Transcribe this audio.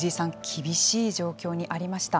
厳しい状況にありました。